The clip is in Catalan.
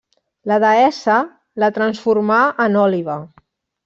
La deessa la transformà en òliba.